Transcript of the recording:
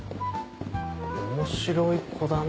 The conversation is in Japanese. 面白い子だな。